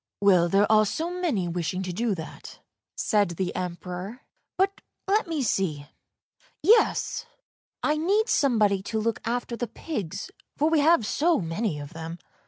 Well, there are so many wishing to do that," said the Emperor; " but let me see! — yes, I need somebody to look after the pigs, for we have so many of them."